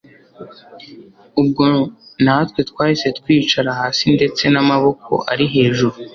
ubwo natwe twahise twicara hasi ndetse namaboko ari hejuru